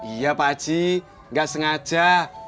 iya pak ji nggak sengaja